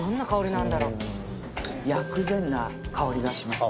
薬膳な香りがします。